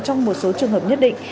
trong một số trường hợp nhất định